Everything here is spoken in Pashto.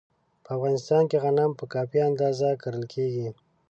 په افغانستان کې غنم په کافي اندازه کرل کېږي.